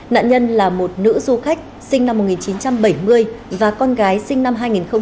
nạn nhân là một nữ du khách sinh năm một nghìn chín trăm bảy mươi và con gái sinh năm hai nghìn một mươi